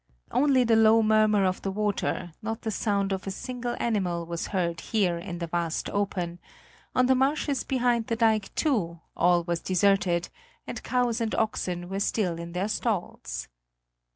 Only the low murmur of the water, not the sound of a single animal was heard here in the vast open; on the marshes behind the dike, too, all was deserted, and cows and oxen were still in their stalls.